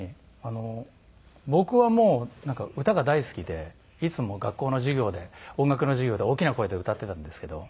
僕は歌が大好きでいつも学校の授業で音楽の授業で大きな声で歌っていたんですけど。